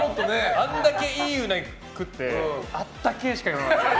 あんだけいいうなぎ食ってあったけえしか言わなかった。